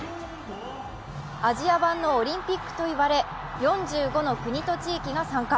アジア版のオリンピックといわれ４５の国と地域が参加。